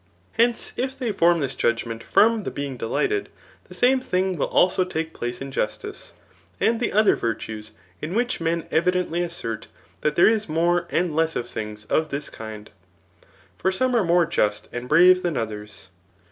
Hence, if they form this judg ment from the being delighted, the same thing will also take place injustice, and the other virtues, in which men evidently assert that there is more and les^ of things of this kind ; for some are more just and brave than others.